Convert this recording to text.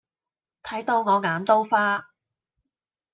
睇到我眼都花